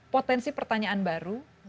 potensi pertanyaan baru